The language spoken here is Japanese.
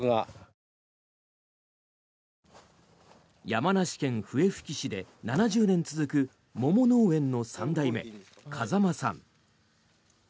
山梨県笛吹市で７０年続く桃農園の３代目、風間さん。